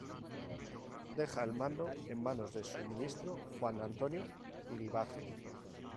Deja el mando en manos de su Ministro Juan Antonio Iribarren.